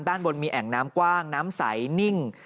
ด้านบนมีแอ่งน้ำกว้างน้ำใสนิ่ง